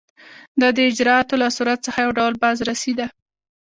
دا د اجرااتو له صورت څخه یو ډول بازرسي ده.